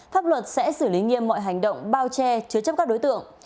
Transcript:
pháp luật sẽ xử lý nghiêm mọi hành động bao che chứa chấp các đối tượng